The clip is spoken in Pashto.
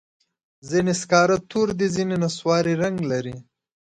ځینې سکاره تور دي، ځینې نسواري رنګ لري.